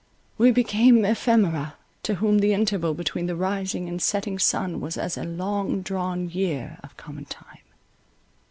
We became ephemera, to whom the interval between the rising and setting sun was as a long drawn year of common time.